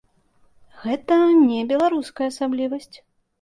Гэта не беларуская асаблівасць.